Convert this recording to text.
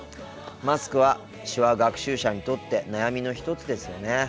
マスクは手話学習者にとって悩みの一つですよね。